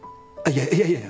いやいやいや。